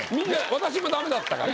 私もダメだったから。